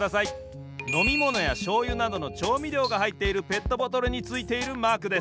のみものやしょうゆなどのちょうみりょうがはいっているペットボトルについているマークです。